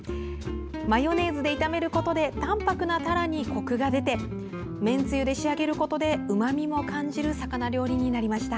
マヨネーズで炒めることで淡泊なたらに、こくが出てめんつゆで仕上げることでうまみも感じる魚料理になりました。